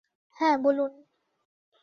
হ্যাঁ, বলুন।